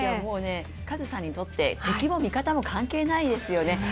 もうカズさんにとって敵も味方も関係ないですよね。